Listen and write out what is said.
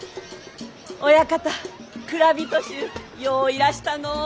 親方蔵人衆よういらしたのう。